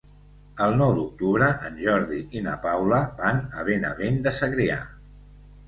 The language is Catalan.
El nou d'octubre en Jordi i na Paula van a Benavent de Segrià.